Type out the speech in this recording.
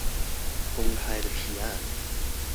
公開的提案